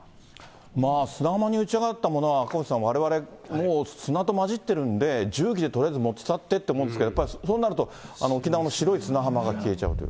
砂浜に打ち上がったものは赤星さん、われわれもう砂と混じってるんで、重機でとりあえず使ってって思うんですけど、そうなると沖縄の白い砂浜が消えちゃうという。